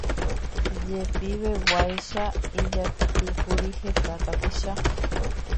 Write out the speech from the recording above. Jepiveguáicha ijatýkuri heta tapicha